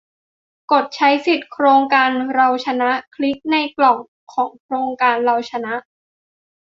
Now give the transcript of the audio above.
กดใช้สิทธิโครงการเราชนะ คลิกเข้าในกล่องของโครงการเราชนะ